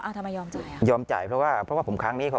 ทำไมยอมจ่ายยอมจ่ายเพราะว่าเพราะว่าผมครั้งนี้เขา